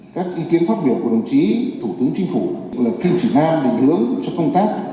các ý kiến phát biểu của đồng chí thủ tướng chính phủ là kim chỉ nam định hướng cho công tác